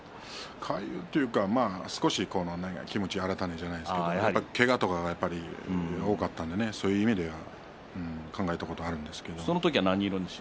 気持ちを新たにじゃないですけれどけがが多かったのでそういう意味では考えたことがあるんですけれど。